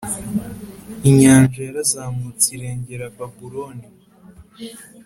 Inyanja yarazamutse irengera Babuloni